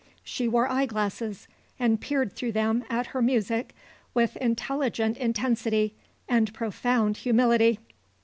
She wore eyeglasses and peered through them at her music with intelligent intensity and profound humility.